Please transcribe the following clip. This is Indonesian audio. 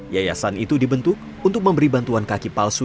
yayasan itu dibentuk untuk memberi bantuan kaki palsu